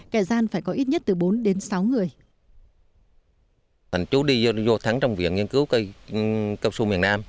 kẻ gian phải có ít nhất từ bốn đến sáu người